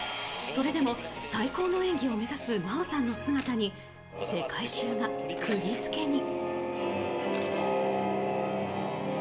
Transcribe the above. それでも最高の演技を目指す真央さんの姿に、世界中がくぎづけに。